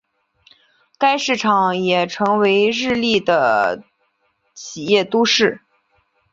该市场也成为日立的的企业都市。